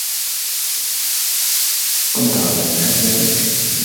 قدّر منّاد ذلك.